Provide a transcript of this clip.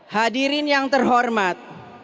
hadirin yang terhormat